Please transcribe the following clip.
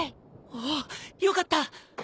おおっよかった！